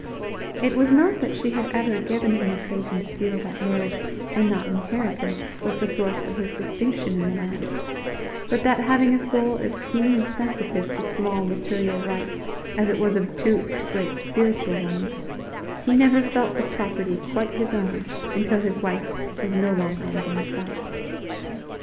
It was not that she had ever given him occasion to feel that marriage and not inheritance was the source of his distinction in the land, but that having a soul as keenly sensitive to small material rights as it was obtuse to great spiritual ones, he never felt the property quite his own until his wife was no longer within sight.